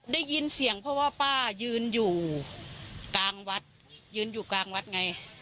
ได้ยินเสียงเพราะว่าป้ายืนอยู่กลางวัดยืนอยู่กลางวัดไง